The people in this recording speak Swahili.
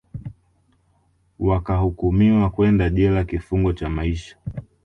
wakahukumiwa kwenda jela kifungo cha maisha